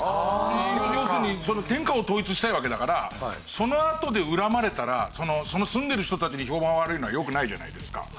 要するに天下を統一したいわけだからそのあとで恨まれたら住んでる人たちに評判悪いのはよくないじゃないですか。